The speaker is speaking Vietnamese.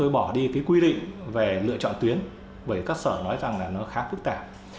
bỏ đi cái quy định về lựa chọn tuyến bởi các sở nói rằng là nó khá phức tạp